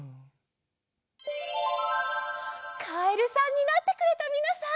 カエルさんになってくれたみなさん。